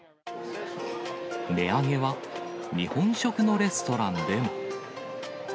値上げは、日本食のレストランでも。